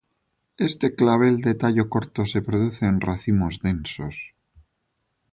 Este clavel de tallo corto se produce en racimos densos.